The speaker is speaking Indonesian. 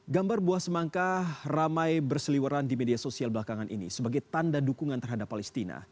gambar buah semangka ramai berseliwaran di media sosial belakangan ini sebagai tanda dukungan terhadap palestina